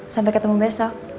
sampai ketemu besok